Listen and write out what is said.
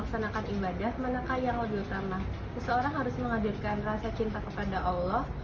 seseorang harus menghadirkan rasa cinta kepada allah